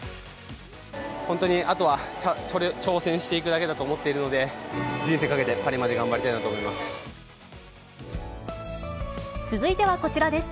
本当にあとは挑戦していくだけだと思っているので、人生かけてパリまで頑張りたいなと思います。